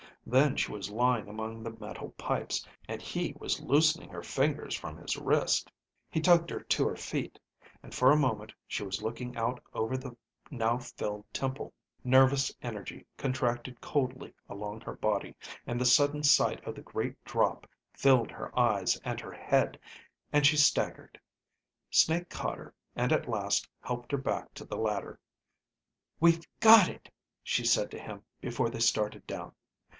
Then she was lying among the metal pipes, and he was loosening her fingers from his wrist. He tugged her to her feet, and for a moment she was looking out over the now filled temple. Nervous energy contracted coldly along her body, and the sudden sight of the great drop filled her eyes and her head, and she staggered. Snake caught her and at last helped her back to the ladder. "We've got it," she said to him before they started down.